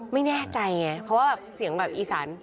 ไม่แน่ใจไงเพราะว่าแบบเสียงแบบอีสาน